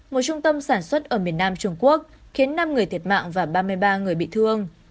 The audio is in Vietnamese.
một trung tâm sản xuất ở miền nam trung quốc khiến năm người thiệt mạng và ba mươi ba người bị thương